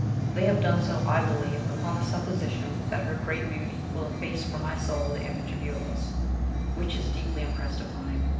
They have done so, I believe, upon the supposition that her great beauty will efface from my soul the image of yours, which is deeply impressed upon it.